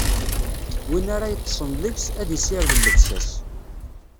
Win ara yeṭṭṣen deg-s, ad issired llebsa-s.